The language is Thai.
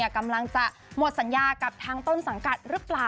กำลังจะหมดสัญญากับทางต้นสังกัดหรือเปล่า